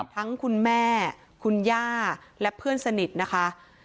คุณแม่คุณย่าและเพื่อนสนิทนะคะ